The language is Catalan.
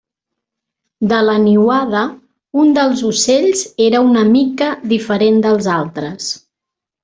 De la niuada, un dels ocells era una mica diferent dels altres.